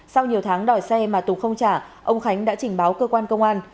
sau nhiều tháng đòi xe mà tùng không trả ông khánh đã trình báo cơ quan công an